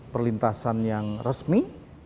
perlintasan yang resmi